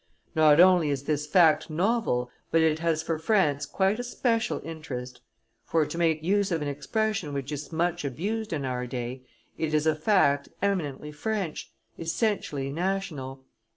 Not only is this fact novel, but it has for France quite a special interest; for, to make use of an expression which is much abused in our day, it is a fact eminently French, essentially national.